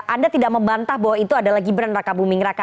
anda tidak membantah bahwa itu adalah gibran raka buming raka